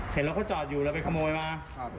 เห็นเราก็จอดอยู่แล้วไปขโมยมา